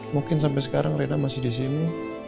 mungkin sampai sekarang rena masih disini